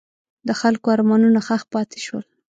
د خلکو ارمانونه ښخ پاتې شول.